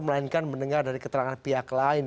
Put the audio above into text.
melainkan mendengar dari keterangan pihak lain